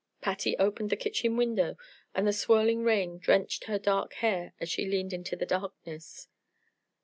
Patty opened the kitchen window, and the swirling rain drenched her dark hair as she leaned into the darkness.